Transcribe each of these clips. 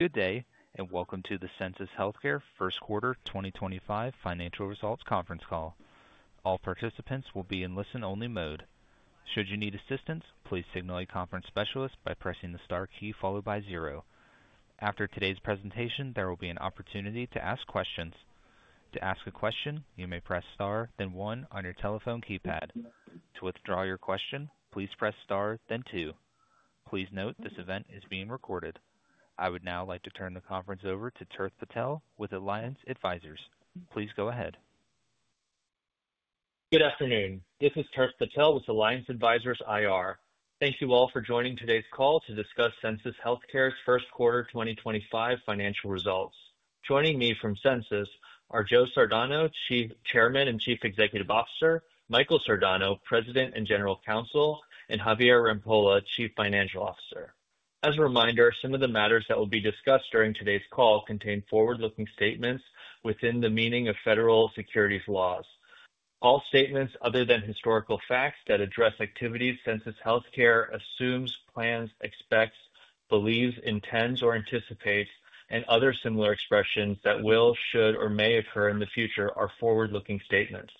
Good day, and welcome to the Sensus Healthcare First Quarter 2025 Financial Results Conference Call. All participants will be in listen-only mode. Should you need assistance, please signal a conference specialist by pressing the star key followed by zero. After today's presentation, there will be an opportunity to ask questions. To ask a question, you may press star, then one on your telephone keypad. To withdraw your question, please press star, then two. Please note this event is being recorded. I would now like to turn the conference over to Tirth Patel with Alliance Advisors. Please go ahead. Good afternoon. This is Tirth Patel with Alliance Advisors IR. Thank you all for joining today's call to discuss Sensus Healthcare's First Quarter 2025 financial results. Joining me from Sensus are Joe Sardano, Chairman and Chief Executive Officer; Michael Sardano, President and General Counsel; and Javier Rampolla, Chief Financial Officer. As a reminder, some of the matters that will be discussed during today's call contain forward-looking statements within the meaning of federal securities laws. All statements other than historical facts that address activities Sensus Healthcare assumes, plans, expects, believes, intends, or anticipates, and other similar expressions that will, should, or may occur in the future are forward-looking statements.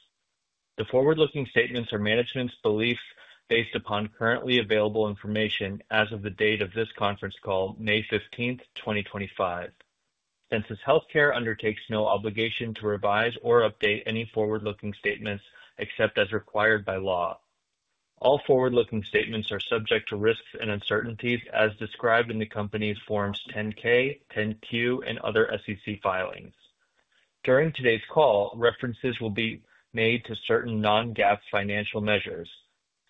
The forward-looking statements are management's beliefs based upon currently available information as of the date of this conference call, May 15th, 2025. Sensus Healthcare undertakes no obligation to revise or update any forward-looking statements except as required by law. All forward-looking statements are subject to risks and uncertainties as described in the company's Forms 10-K, 10-Q, and other SEC filings. During today's call, references will be made to certain non-GAAP financial measures.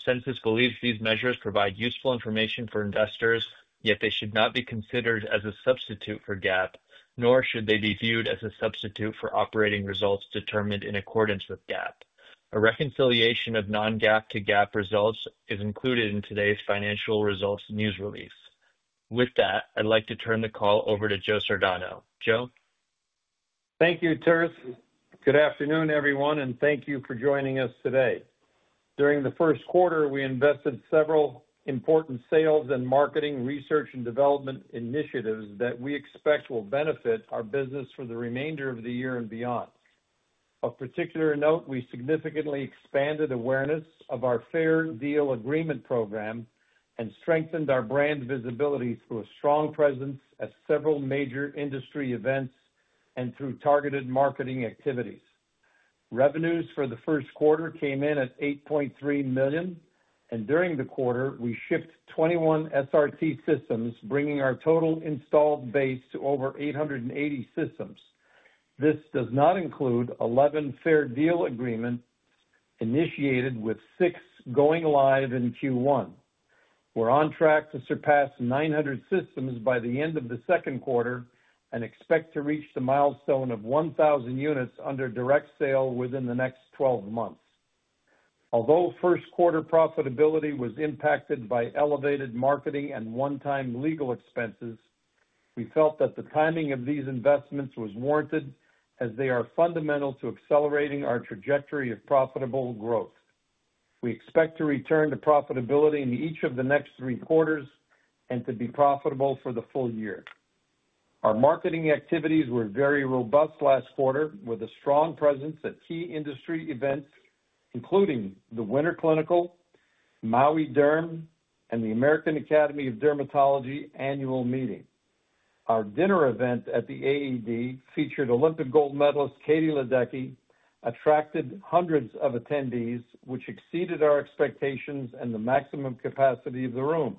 Sensus Healthcare believes these measures provide useful information for investors, yet they should not be considered as a substitute for GAAP, nor should they be viewed as a substitute for operating results determined in accordance with GAAP. A reconciliation of non-GAAP to GAAP results is included in today's financial results news release. With that, I'd like to turn the call over to Joe Sardano. Joe? Thank you, Tert. Good afternoon, everyone, and thank you for joining us today. During the first quarter, we invested in several important sales and marketing, research, and development initiatives that we expect will benefit our business for the remainder of the year and beyond. Of particular note, we significantly expanded awareness of our Fair Deal Agreement program and strengthened our brand visibility through a strong presence at several major industry events and through targeted marketing activities. Revenues for the first quarter came in at $8.3 million, and during the quarter, we shipped 21 SRT Systems, bringing our total installed base to over 880 systems. This does not include 11 Fair Deal Agreements initiated with six going live in Q1. We are on track to surpass 900 systems by the end of the second quarter and expect to reach the milestone of 1,000 units under direct sale within the next 12 months. Although first quarter profitability was impacted by elevated marketing and one-time legal expenses, we felt that the timing of these investments was warranted as they are fundamental to accelerating our trajectory of profitable growth. We expect to return to profitability in each of the next three quarters and to be profitable for the full year. Our marketing activities were very robust last quarter, with a strong presence at key industry events, including the Winter Clinical, Maui Derm, and the American Academy of Dermatology annual meeting. Our dinner event at the AAD featured Olympic gold medalist Katie Ledecky, attracted hundreds of attendees, which exceeded our expectations and the maximum capacity of the room.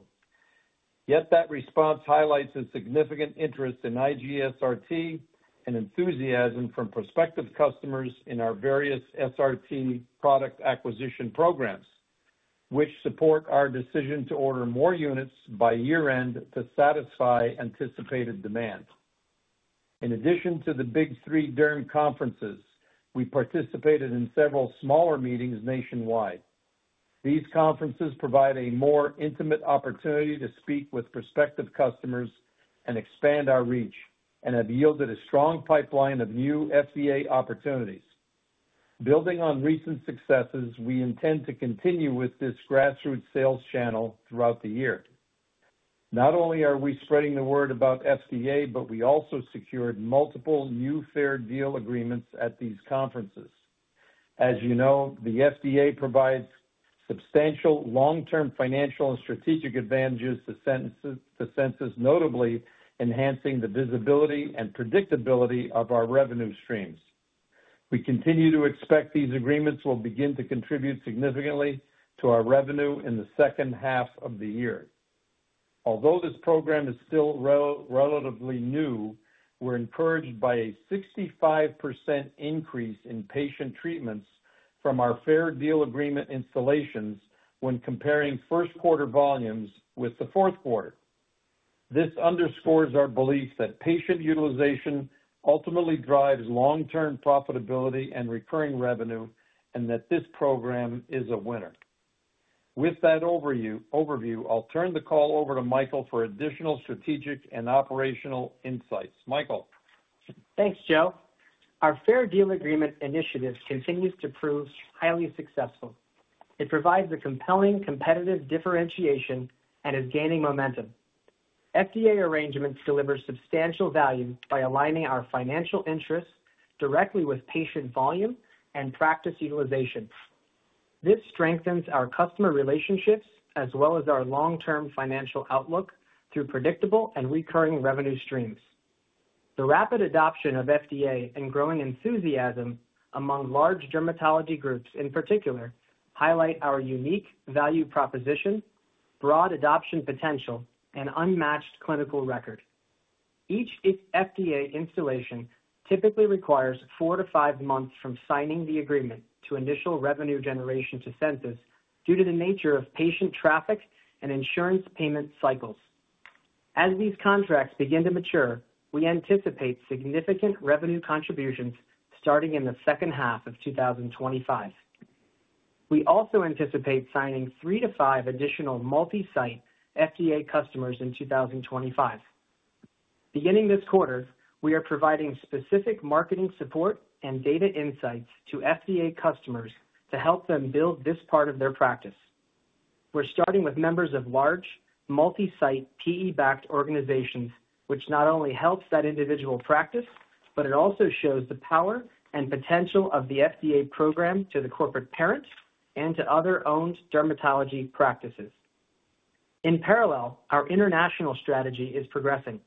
Yet that response highlights a significant interest in IGSRT and enthusiasm from prospective customers in our various SRT product acquisition programs, which support our decision to order more units by year-end to satisfy anticipated demand. In addition to the big three derm conferences, we participated in several smaller meetings nationwide. These conferences provide a more intimate opportunity to speak with prospective customers and expand our reach, and have yielded a strong pipeline of new FDA opportunities. Building on recent successes, we intend to continue with this grassroots sales channel throughout the year. Not only are we spreading the word about FDA, but we also secured multiple new Fair Deal Agreements at these conferences. As you know, the FDA provides substantial long-term financial and strategic advantages to Sensus Healthcare, notably enhancing the visibility and predictability of our revenue streams. We continue to expect these agreements will begin to contribute significantly to our revenue in the second half of the year. Although this program is still relatively new, we're encouraged by a 65% increase in patient treatments from our Fair Deal Agreement installations when comparing first quarter volumes with the fourth quarter. This underscores our belief that patient utilization ultimately drives long-term profitability and recurring revenue, and that this program is a winner. With that overview, I'll turn the call over to Michael for additional strategic and operational insights. Michael. Thanks, Joe. Our Fair Deal Agreement initiative continues to prove highly successful. It provides a compelling competitive differentiation and is gaining momentum. FDA arrangements deliver substantial value by aligning our financial interests directly with patient volume and practice utilization. This strengthens our customer relationships as well as our long-term financial outlook through predictable and recurring revenue streams. The rapid adoption of FDA and growing enthusiasm among large dermatology groups in particular highlight our unique value proposition, broad adoption potential, and unmatched clinical record. Each FDA installation typically requires four to five months from signing the agreement to initial revenue generation to Sensus Healthcare due to the nature of patient traffic and insurance payment cycles. As these contracts begin to mature, we anticipate significant revenue contributions starting in the second half of 2025. We also anticipate signing three to five additional multi-site FDA customers in 2025. Beginning this quarter, we are providing specific marketing support and data insights to FDA customers to help them build this part of their practice. We're starting with members of large, multi-site, PE-backed organizations, which not only helps that individual practice, but it also shows the power and potential of the FDA program to the corporate parent and to other owned dermatology practices. In parallel, our international strategy is progressing.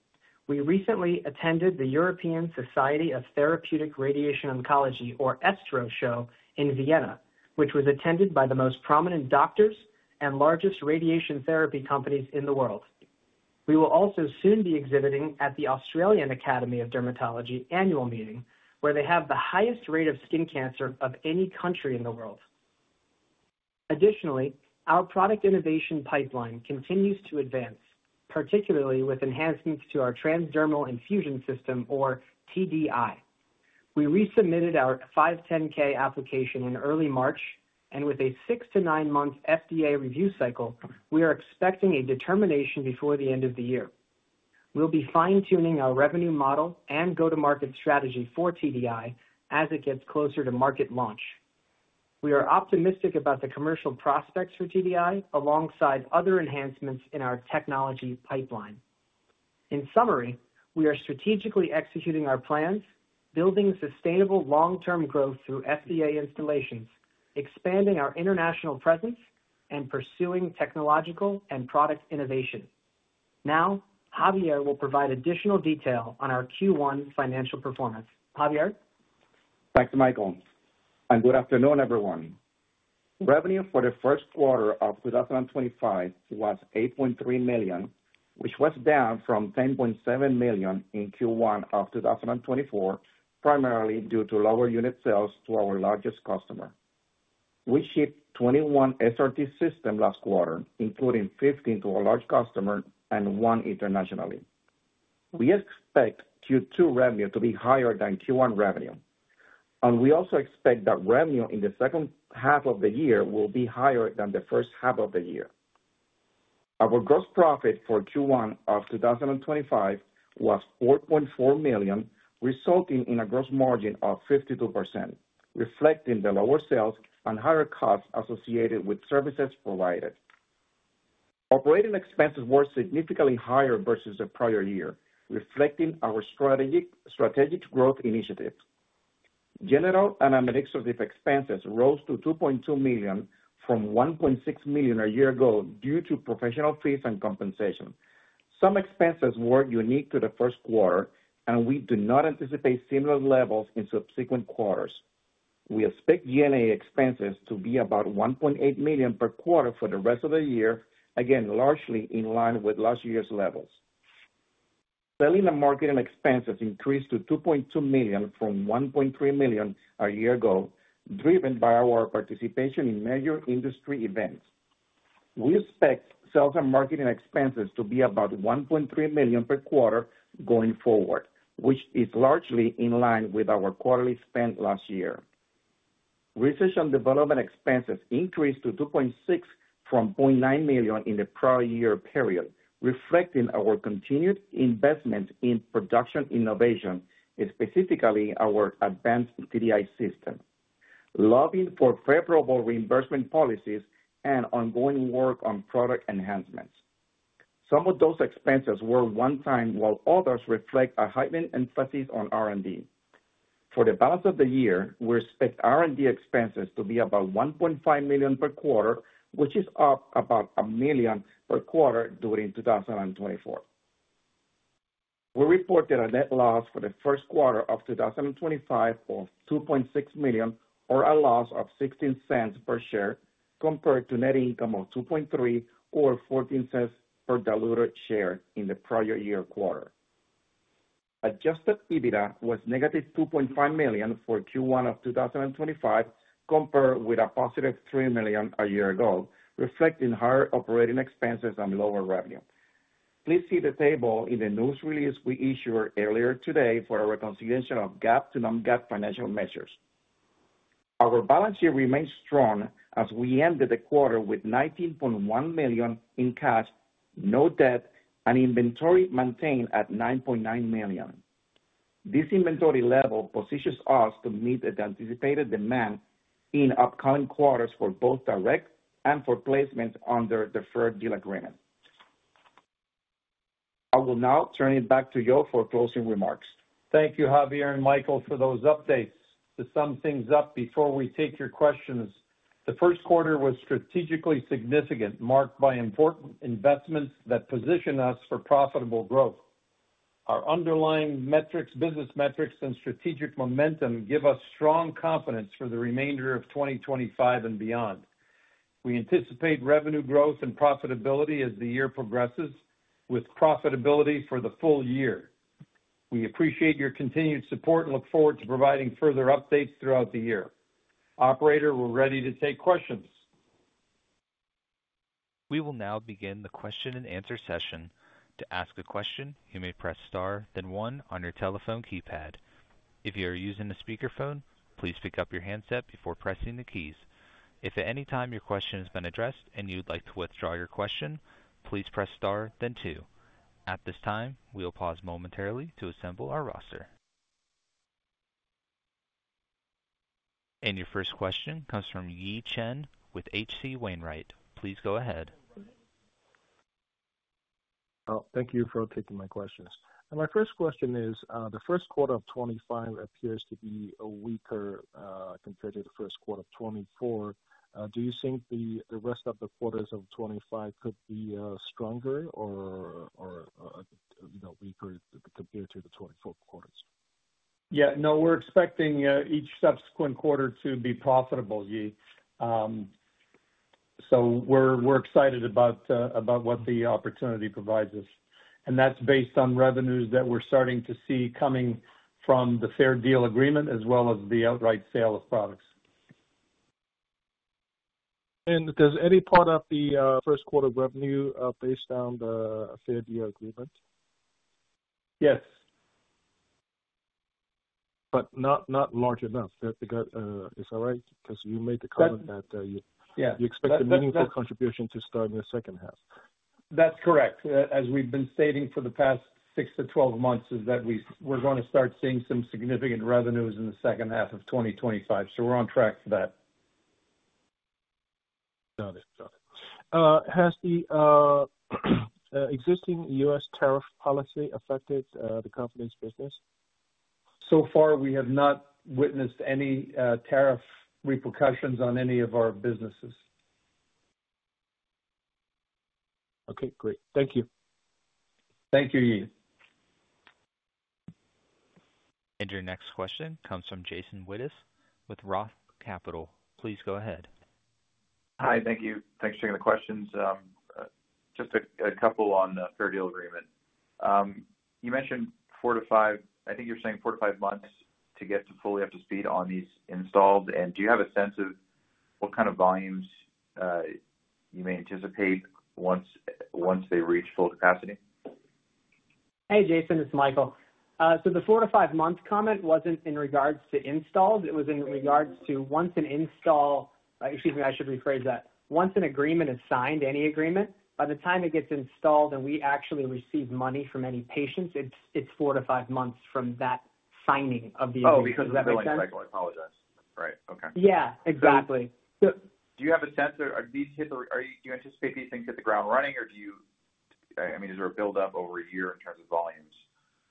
We recently attended the European Society for Radiotherapy and Oncology, or ESTRO, show in Vienna, which was attended by the most prominent doctors and largest radiation therapy companies in the world. We will also soon be exhibiting at the Australian Academy of Dermatology annual meeting, where they have the highest rate of skin cancer of any country in the world. Additionally, our product innovation pipeline continues to advance, particularly with enhancements to our TransDermal Infusion System, or TDI. We resubmitted our 510(k) application in early March, and with a 6-9 month FDA review cycle, we are expecting a determination before the end of the year. We'll be fine-tuning our revenue model and go-to-market strategy for TDI as it gets closer to market launch. We are optimistic about the commercial prospects for TDI alongside other enhancements in our technology pipeline. In summary, we are strategically executing our plans, building sustainable long-term growth through FDA installations, expanding our international presence, and pursuing technological and product innovation. Now, Javier will provide additional detail on our Q1 financial performance. Javier? Thanks, Michael. Good afternoon, everyone. Revenue for the first quarter of 2025 was $8.3 million, which was down from $10.7 million in Q1 of 2024, primarily due to lower unit sales to our largest customer. We shipped 21 SRT systems last quarter, including 15 to a large customer and one internationally. We expect Q2 revenue to be higher than Q1 revenue, and we also expect that revenue in the second half of the year will be higher than the first half of the year. Our gross profit for Q1 of 2025 was $4.4 million, resulting in a gross margin of 52%, reflecting the lower sales and higher costs associated with services provided. Operating expenses were significantly higher versus the prior year, reflecting our strategic growth initiative. General and administrative expenses rose to $2.2 million from $1.6 million a year ago due to professional fees and compensation. Some expenses were unique to the first quarter, and we do not anticipate similar levels in subsequent quarters. We expect G&A expenses to be about $1.8 million per quarter for the rest of the year, again, largely in line with last year's levels. Selling and marketing expenses increased to $2.2 million from $1.3 million a year ago, driven by our participation in major industry events. We expect sales and marketing expenses to be about $1.3 million per quarter going forward, which is largely in line with our quarterly spend last year. Research and development expenses increased to $2.6 million from $0.9 million in the prior year period, reflecting our continued investment in production innovation, specifically our advanced TDI system, lobbying for favorable reimbursement policies, and ongoing work on product enhancements. Some of those expenses were one-time, while others reflect a heightened emphasis on R&D. For the balance of the year, we expect R&D expenses to be about $1.5 million per quarter, which is up about $1 million per quarter during 2024. We reported a net loss for the first quarter of 2025 of $2.6 million, or a loss of $0.16 per share, compared to net income of $2.3 million, or $0.14 per share in the prior year quarter. Adjusted EBITDA was negative $2.5 million for Q1 of 2025, compared with a positive $3 million a year ago, reflecting higher operating expenses and lower revenue. Please see the table in the news release we issued earlier today for a reconciliation of GAAP to non-GAAP financial measures. Our balance sheet remains strong as we ended the quarter with $19.1 million in cash, no debt, and inventory maintained at $9.9 million. This inventory level positions us to meet the anticipated demand in upcoming quarters for both direct and for placements under the Fair Deal Agreement. I will now turn it back to Joe for closing remarks. Thank you, Javier and Michael, for those updates. To sum things up before we take your questions, the first quarter was strategically significant, marked by important investments that position us for profitable growth. Our underlying metrics, business metrics, and strategic momentum give us strong confidence for the remainder of 2025 and beyond. We anticipate revenue growth and profitability as the year progresses, with profitability for the full year. We appreciate your continued support and look forward to providing further updates throughout the year. Operator, we're ready to take questions. We will now begin the question-and-answer session. To ask a question, you may press star, then one on your telephone keypad. If you are using a speakerphone, please pick up your handset before pressing the keys. If at any time your question has been addressed and you'd like to withdraw your question, please press star, then two. At this time, we'll pause momentarily to assemble our roster. Your first question comes from Yi Chen with H.C. Wainwright. Please go ahead. Thank you for taking my questions. My first question is, the first quarter of 2025 appears to be weaker compared to the first quarter of 2024. Do you think the rest of the quarters of 2025 could be stronger or weaker compared to the 2024 quarters? Yeah, no, we're expecting each subsequent quarter to be profitable, Yi. We are excited about what the opportunity provides us. That's based on revenues that we're starting to see coming from the Fair Deal Agreement as well as the outright sale of products. Does any part of the first quarter revenue based on the Fair Deal Agreement? Yes. Not large enough. Is that right? Because you made the comment that you expect a meaningful contribution to start in the second half. That's correct. As we've been stating for the past 6-12 months, is that we're going to start seeing some significant revenues in the second half of 2025. We are on track for that. Got it. Got it. Has the existing U.S. tariff policy affected the company's business? So far, we have not witnessed any tariff repercussions on any of our businesses. Okay, great. Thank you. Thank you, Yi. Your next question comes from Jason Wittes with Roth Capital. Please go ahead. Hi, thank you. Thanks for taking the questions. Just a couple on the Fair Deal Agreement. You mentioned four to five—I think you're saying four to five months to get fully up to speed on these installs. And do you have a sense of what kind of volumes you may anticipate once they reach full capacity? Hey, Jason, it's Michael. The four to five month comment wasn't in regards to installs. It was in regards to once an install—excuse me, I should rephrase that. Once an agreement is signed, any agreement, by the time it gets installed and we actually receive money from any patients, it's four to five months from that signing of the agreement. Oh, because of that, right? I apologize. Right. Okay. Yeah, exactly. Do you have a sense of—do you anticipate these things hit the ground running, or do you—I mean, is there a build-up over a year in terms of volumes?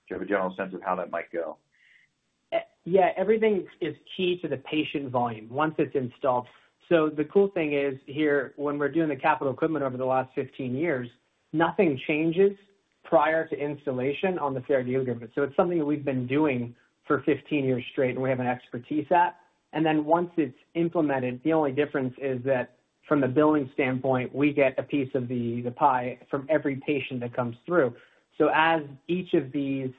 Do you have a general sense of how that might go? Yeah, everything is key to the patient volume once it's installed. The cool thing is here, when we're doing the capital equipment over the last 15 years, nothing changes prior to installation on the Fair Deal Agreement. It's something that we've been doing for 15 years straight, and we have an expertise at. Once it's implemented, the only difference is that from the billing standpoint, we get a piece of the pie from every patient that comes through. As each of these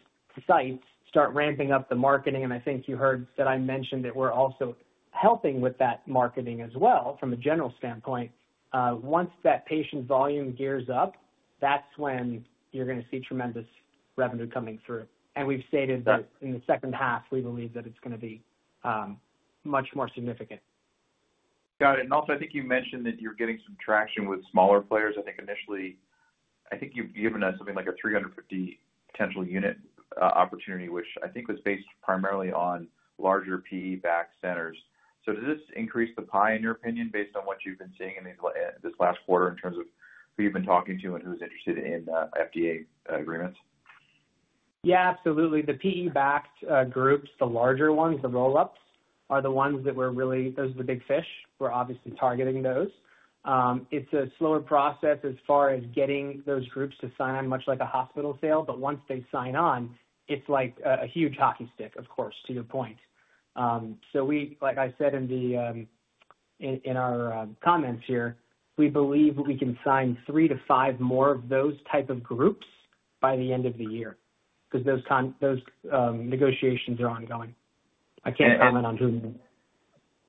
sites start ramping up the marketing—I think you heard that I mentioned that we're also helping with that marketing as well from a general standpoint—once that patient volume gears up, that's when you're going to see tremendous revenue coming through. We've stated that in the second half, we believe that it's going to be much more significant. Got it. Also, I think you mentioned that you're getting some traction with smaller players. I think initially, I think you've given us something like a 350 potential unit opportunity, which I think was based primarily on larger PE-backed centers. Does this increase the pie, in your opinion, based on what you've been seeing in this last quarter in terms of who you've been talking to and who's interested in FDA agreements? Yeah, absolutely. The PE-backed groups, the larger ones, the roll-ups, are the ones that we're really—those are the big fish. We're obviously targeting those. It's a slower process as far as getting those groups to sign on, much like a hospital sale. Once they sign on, it's like a huge hockey stick, of course, to your point. Like I said in our comments here, we believe we can sign three to five more of those type of groups by the end of the year because those negotiations are ongoing. I can't comment on who.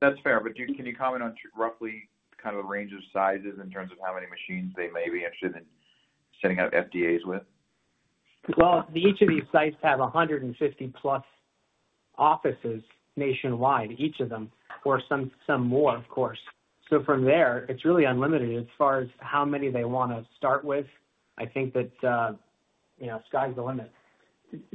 That's fair. Can you comment on roughly kind of the range of sizes in terms of how many machines they may be interested in sending out FDAs with? Each of these sites have 150-plus offices nationwide, each of them, or some more, of course. From there, it's really unlimited as far as how many they want to start with. I think that sky's the limit.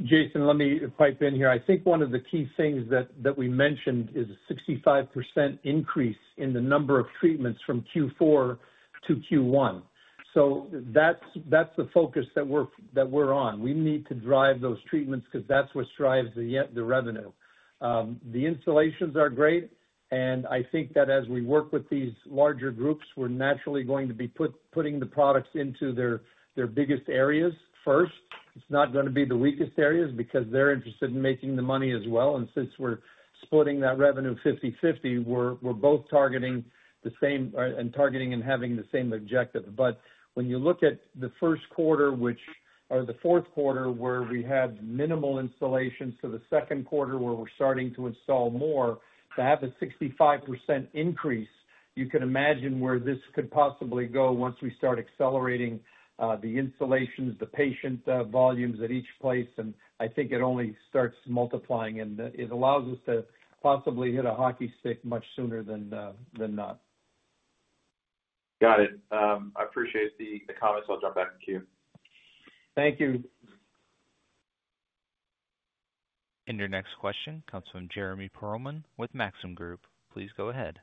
Jason, let me pipe in here. I think one of the key things that we mentioned is a 65% increase in the number of treatments from Q4 to Q1. That's the focus that we're on. We need to drive those treatments because that's what drives the revenue. The installations are great. I think that as we work with these larger groups, we're naturally going to be putting the products into their biggest areas first. It's not going to be the weakest areas because they're interested in making the money as well. Since we're splitting that revenue 50/50, we're both targeting the same and targeting and having the same objective. When you look at the first quarter, which is the fourth quarter where we had minimal installations, to the second quarter where we're starting to install more, to have a 65% increase, you can imagine where this could possibly go once we start accelerating the installations, the patient volumes at each place. I think it only starts multiplying, and it allows us to possibly hit a hockey stick much sooner than not. Got it. I appreciate the comments. I'll jump back to Q. Thank you. Your next question comes from Jeremy Pearlman with Maxim Group. Please go ahead.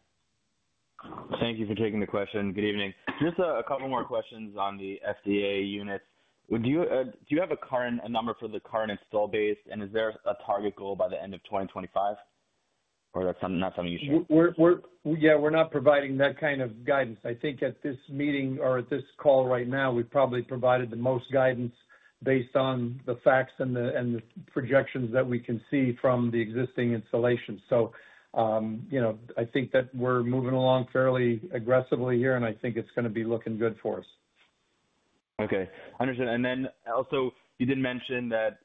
Thank you for taking the question. Good evening. Just a couple more questions on the FDA units. Do you have a current number for the current install base, and is there a target goal by the end of 2025? Or that's not something you shared? Yeah, we're not providing that kind of guidance. I think at this meeting or at this call right now, we've probably provided the most guidance based on the facts and the projections that we can see from the existing installations. I think that we're moving along fairly aggressively here, and I think it's going to be looking good for us. Okay. Understood. You did mention that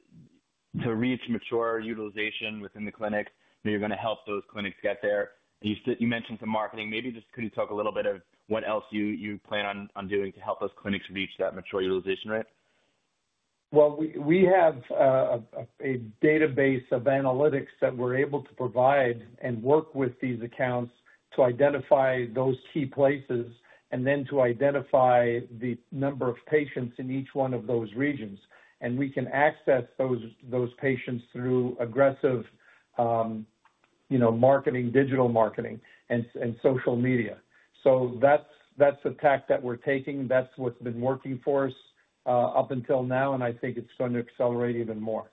to reach mature utilization within the clinics, you're going to help those clinics get there. You mentioned some marketing. Maybe just could you talk a little bit of what else you plan on doing to help those clinics reach that mature utilization rate? We have a database of analytics that we're able to provide and work with these accounts to identify those key places and then to identify the number of patients in each one of those regions. We can access those patients through aggressive marketing, digital marketing, and social media. That's the tact that we're taking. That's what's been working for us up until now, and I think it's going to accelerate even more.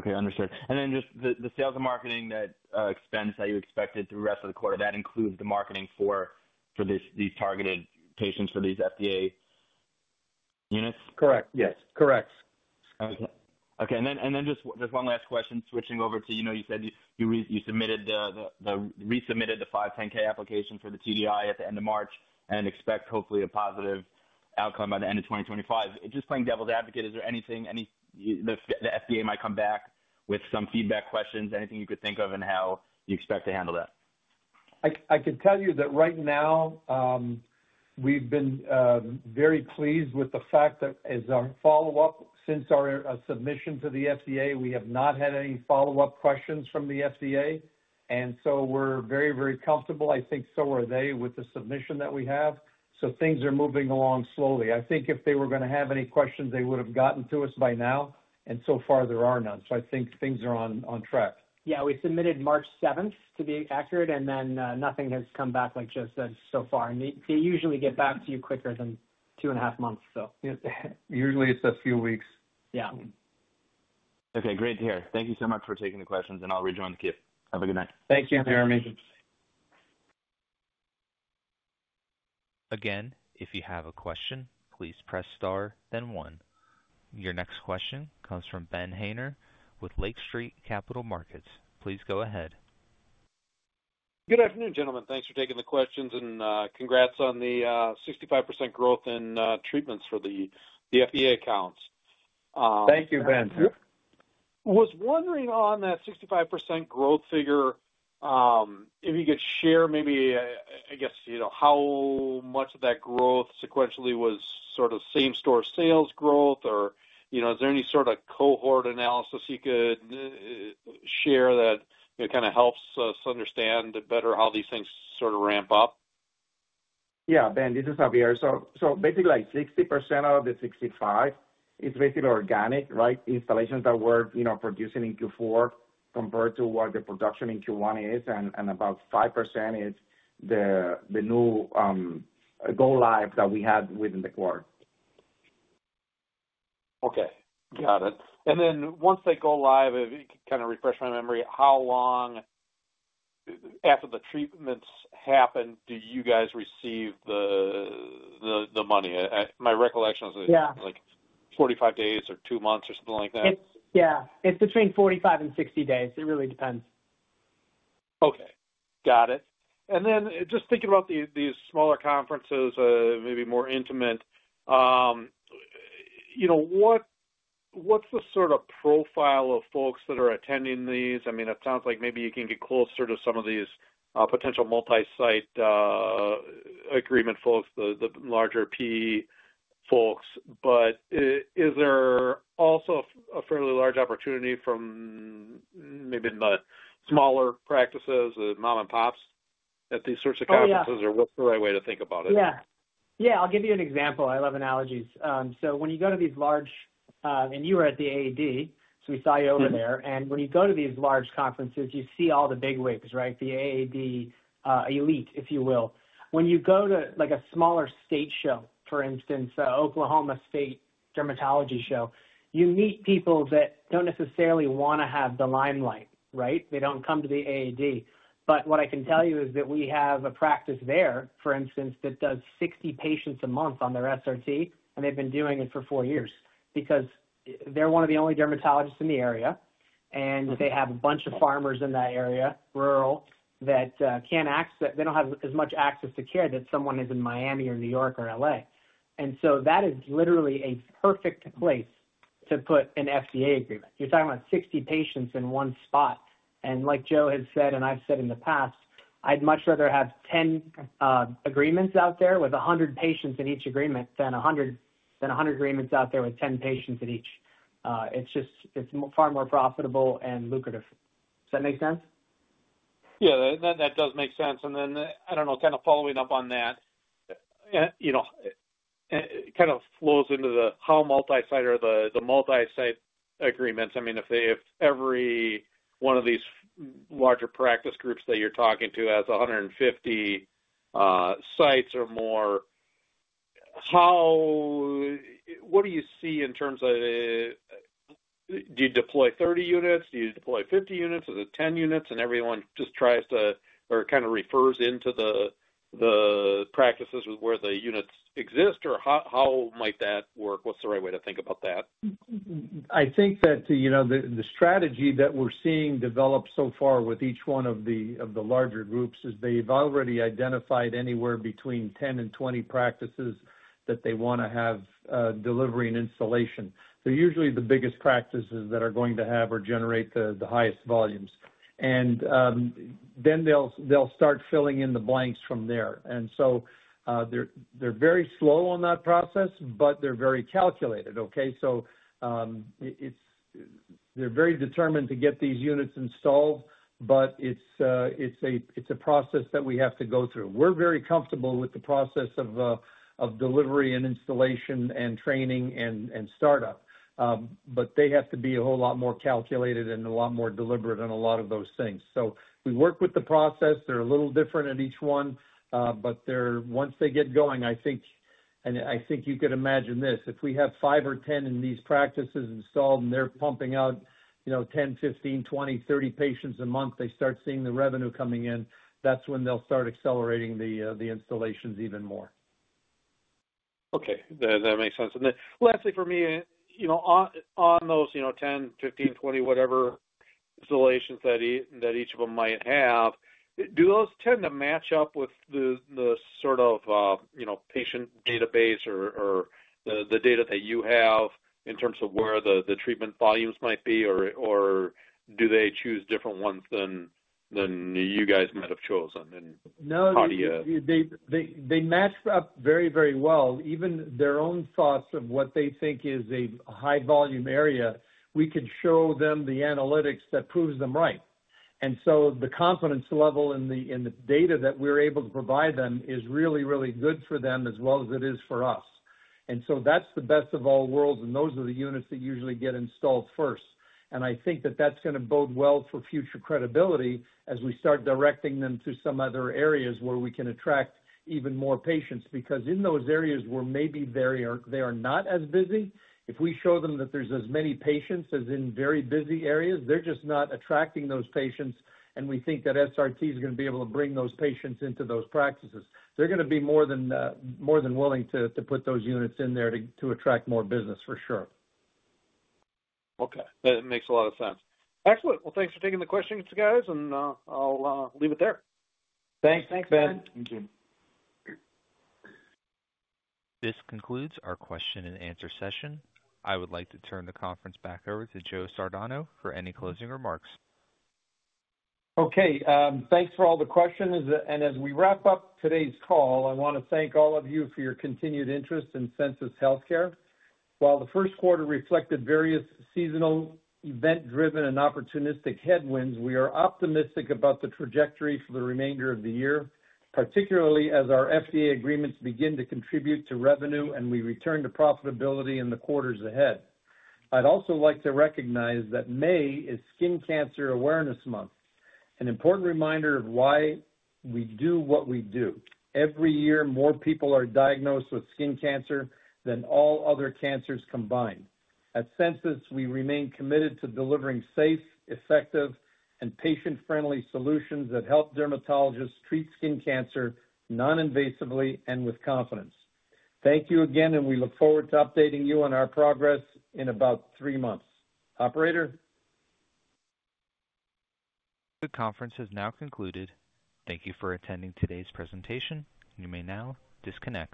Okay. Understood. And then just the sales and marketing expense that you expected through the rest of the quarter, that includes the marketing for these targeted patients for these FDA units? Correct. Yes. Correct. Okay. And then just one last question, switching over to you said you resubmitted the 510(k) application for the TDI at the end of March and expect hopefully a positive outcome by the end of 2025. Just playing devil's advocate, is there anything the FDA might come back with some feedback questions, anything you could think of, and how you expect to handle that? I can tell you that right now, we've been very pleased with the fact that as a follow-up since our submission to the FDA, we have not had any follow-up questions from the FDA. We are very, very comfortable. I think so are they with the submission that we have. Things are moving along slowly. I think if they were going to have any questions, they would have gotten to us by now. So far, there are none. I think things are on track. Yeah. We submitted March 7th, to be accurate, and then nothing has come back, like Joe said, so far. They usually get back to you quicker than two and a half months, so. Usually, it's a few weeks. Yeah. Okay. Great to hear. Thank you so much for taking the questions, and I'll rejoin the queue. Have a good night. Thank you, Jeremy. Again, if you have a question, please press star, then one. Your next question comes from Ben Haynor with Lake Street Capital Markets. Please go ahead. Good afternoon, gentlemen. Thanks for taking the questions and congrats on the 65% growth in treatments for the FDA accounts. Thank you, Ben. Was wondering on that 65% growth figure, if you could share maybe, I guess, how much of that growth sequentially was sort of same-store sales growth, or is there any sort of cohort analysis you could share that kind of helps us understand better how these things sort of ramp up? Yeah, Ben, this is Javier. So basically, like 60% of the 65 is basically organic, right? Installations that we're producing in Q4 compared to what the production in Q1 is, and about 5% is the new go-live that we had within the quarter. Okay. Got it. And then once they go live, kind of refresh my memory, how long after the treatments happen, do you guys receive the money? My recollection is like 45 days or two months or something like that. Yeah. It's between 45 and 60 days. It really depends. Okay. Got it. And then just thinking about these smaller conferences, maybe more intimate, what's the sort of profile of folks that are attending these? I mean, it sounds like maybe you can get closer to some of these potential multi-site agreement folks, the larger PE folks. But is there also a fairly large opportunity from maybe the smaller practices, the mom-and-pops at these sorts of conferences, or what's the right way to think about it? Yeah. Yeah. I'll give you an example. I love analogies. When you go to these large—and you were at the AAD, so we saw you over there—and when you go to these large conferences, you see all the bigwigs, right? The AAD elite, if you will. When you go to a smaller state show, for instance, Oklahoma State Dermatology Show, you meet people that don't necessarily want to have the limelight, right? They don't come to the AAD. What I can tell you is that we have a practice there, for instance, that does 60 patients a month on their SRT, and they've been doing it for four years because they're one of the only dermatologists in the area, and they have a bunch of farmers in that area, rural, that can't access—they don't have as much access to care that someone is in Miami or New York or LA. That is literally a perfect place to put an FDA agreement. You're talking about 60 patients in one spot. Like Joe has said and I've said in the past, I'd much rather have 10 agreements out there with 100 patients in each agreement than 100 agreements out there with 10 patients in each. It's far more profitable and lucrative. Does that make sense? Yeah. That does make sense. I don't know, kind of following up on that, it kind of flows into the how multi-site are the multi-site agreements? I mean, if every one of these larger practice groups that you're talking to has 150 sites or more, what do you see in terms of do you deploy 30 units? Do you deploy 50 units? Is it 10 units? And everyone just tries to or kind of refers into the practices where the units exist, or how might that work? What's the right way to think about that? I think that the strategy that we're seeing develop so far with each one of the larger groups is they've already identified anywhere between 10 and 20 practices that they want to have delivery and installation. They're usually the biggest practices that are going to have or generate the highest volumes. Then they'll start filling in the blanks from there. They are very slow on that process, but they're very calculated, okay? They are very determined to get these units installed, but it's a process that we have to go through. We're very comfortable with the process of delivery and installation and training and startup, but they have to be a whole lot more calculated and a lot more deliberate on a lot of those things. We work with the process. They're a little different at each one, but once they get going, I think—and I think you could imagine this—if we have 5 or 10 in these practices installed and they're pumping out 10, 15, 20, 30 patients a month, they start seeing the revenue coming in. That's when they'll start accelerating the installations even more. Okay. That makes sense. Lastly, for me, on those 10, 15, 20, whatever installations that each of them might have, do those tend to match up with the sort of patient database or the data that you have in terms of where the treatment volumes might be, or do they choose different ones than you guys might have chosen and how do you? They match up very, very well. Even their own thoughts of what they think is a high-volume area, we could show them the analytics that proves them right. The confidence level in the data that we're able to provide them is really, really good for them as well as it is for us. That is the best of all worlds, and those are the units that usually get installed first. I think that is going to bode well for future credibility as we start directing them to some other areas where we can attract even more patients because in those areas where maybe they are not as busy, if we show them that there are as many patients as in very busy areas, they are just not attracting those patients. We think that SRT is going to be able to bring those patients into those practices. They're going to be more than willing to put those units in there to attract more business, for sure. Okay. That makes a lot of sense. Excellent. Thanks for taking the questions, guys, and I'll leave it there. Thanks, Ben. Thank you. This concludes our question-and-answer session. I would like to turn the conference back over to Joe Sardano for any closing remarks. Okay. Thanks for all the questions. As we wrap up today's call, I want to thank all of you for your continued interest in Sensus Healthcare. While the first quarter reflected various seasonal, event-driven, and opportunistic headwinds, we are optimistic about the trajectory for the remainder of the year, particularly as our FDA agreements begin to contribute to revenue and we return to profitability in the quarters ahead. I'd also like to recognize that May is Skin Cancer Awareness Month, an important reminder of why we do what we do. Every year, more people are diagnosed with skin cancer than all other cancers combined. At Sensus, we remain committed to delivering safe, effective, and patient-friendly solutions that help dermatologists treat skin cancer non-invasively and with confidence. Thank you again, and we look forward to updating you on our progress in about three months. Operator. The conference has now concluded. Thank you for attending today's presentation. You may now disconnect.